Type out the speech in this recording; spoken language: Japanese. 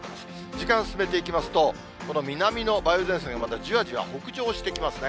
時間進めてみますと、この南の梅雨前線がまたじわじわ北上してきますね。